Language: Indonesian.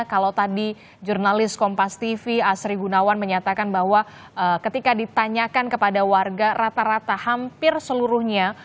kalau tadi jurnalis kompas tv asri gunawan menyatakan bahwa ketika ditanyakan kepada warga rata rata hampir seluruhnya